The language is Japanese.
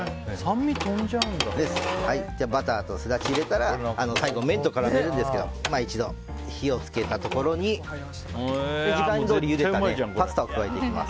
バターとスダチを入れたら最後、麺と絡めるんですが一度、火を付けたところに時間どおりにゆでたパスタを加えていきます。